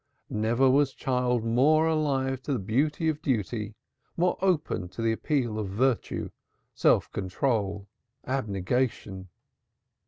Never was child more alive to the beauty of duty, more open to the appeal of virtue, self control, abnegation.